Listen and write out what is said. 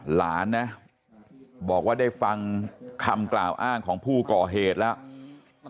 หลานนะบอกว่าได้ฟังคำกล่าวอ้างของผู้ก่อเหตุแล้ว